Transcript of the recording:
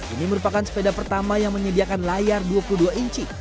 ini merupakan sepeda pertama yang menyediakan layar dua puluh dua inci